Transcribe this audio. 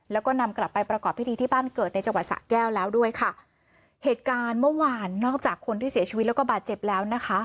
แล้วก็นำกลับไปประกอบพิธีที่บ้านเกิดในจังหวัดสะแก้วแล้วด้วยค่ะเหตุการณ์เมื่อวานนอกจากคนที่เสียชีวิตแล้วก็บาดเจ็บแล้วนะคะ